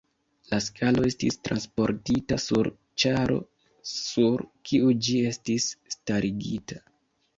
La skalo estis transportita sur ĉaro sur kiu ĝi estis starigita.